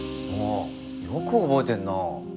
ああよく覚えてんな。